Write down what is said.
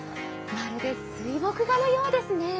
まるで水墨画のようですね。